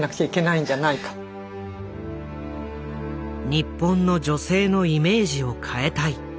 「日本の女性のイメージを変えたい」。